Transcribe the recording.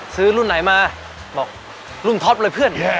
ซื้อรุ่นไหนมาบอกรุ่นท็อปเลยเพื่อน